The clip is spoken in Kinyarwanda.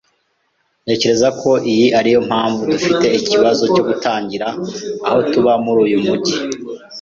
Ntekereza ko iyi ari yo mpamvu dufite ikibazo cyo kutagira aho tuba muri uyu mujyi.